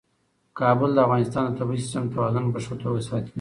کابل د افغانستان د طبعي سیسټم توازن په ښه توګه ساتي.